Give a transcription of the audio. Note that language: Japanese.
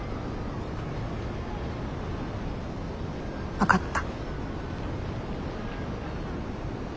分かった。